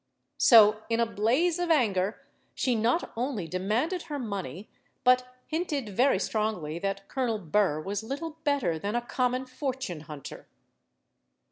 So, in a blaze of anger, she not only demanded her money, but hinted very strongly that Colonel Burr was little better than a common fortune hunter.